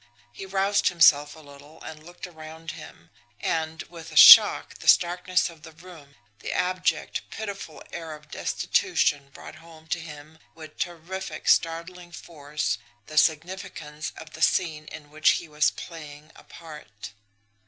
He roused himself a little and looked around him and, with a shock, the starkness of the room, the abject, pitiful air of destitution brought home to him with terrific, startling force the significance of the scene in which he was playing a part.